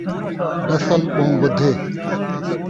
نسل ٻہوں ودھے